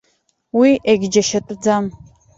Уи егьџьашьатәӡам.